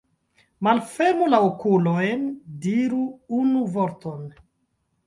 Malfermu la okulojn, diru unu vorton!